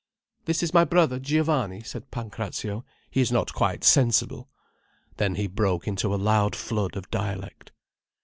"This is my brother Giovanni," said Pancrazio. "He is not quite sensible." Then he broke into a loud flood of dialect.